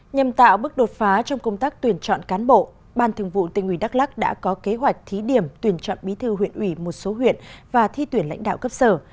nhằm tạo bước đột phá trong công tác tuyển chọn cán bộ ban thường vụ tỉnh ủy đắk lắc đã có kế hoạch thí điểm tuyển chọn bí thư huyện ủy một số huyện và thi tuyển lãnh đạo cấp sở